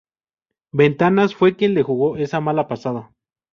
ventanas fue quien le jugó esa mala pasada